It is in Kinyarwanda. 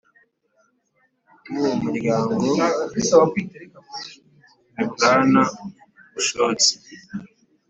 W uwo muryango ni bwana bushotsi